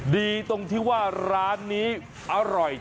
ดีตรงที่ว่าร้านนี้อร่อย